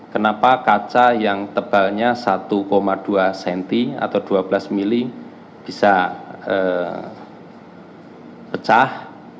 kenapa kaca yang tebalnya satu dua cm atau dua belas mili bisa pecah